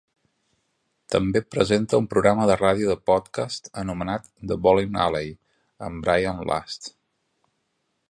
També presenta un programa de radio de podcast anomenat "The Bolin Alley" amb Brian Last.